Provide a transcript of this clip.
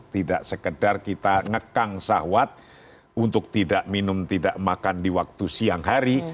tidak sekedar kita ngekang sahwat untuk tidak minum tidak makan di waktu siang hari